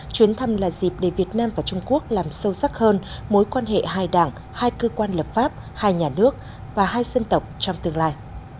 chuyến thăm là dịp để việt nam và trung quốc làm sâu sắc hơn mối quan hệ hai đảng hai cơ quan lập pháp hai nhà nước và hai dân tộc trong tương lai